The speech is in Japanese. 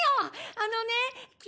あのねき